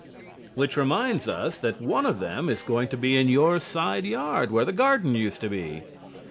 Which reminds us that one of them is going to be in your side yard where the garden used to be.